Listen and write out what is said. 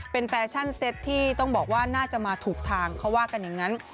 เป็นแฟชั่นเซ็ตที่ต้องบอกว่าน่าจะมาถูกทางเขาว่ากันอย่างนั้น